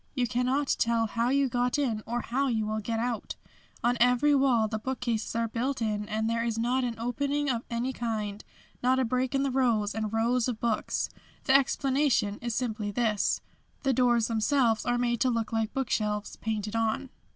You cannot tell how you got in or how you will get out. On every wall the bookcases are built in and there is not an opening of any kind; not a break in the rows and rows of books. The explanation is simply this: the doors themselves are made to look like book shelves, painted on.